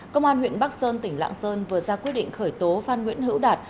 công an huyện bắc sơn tỉnh lạng sơn vừa ra quyết định khởi tố phan nguyễn hữu đạt